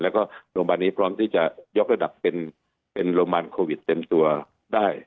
แล้วก็โรงพยาบาลนี้พร้อมที่จะยกระดับเป็นโรงพยาบาลโควิดเต็มตัวได้